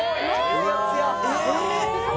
つやつや。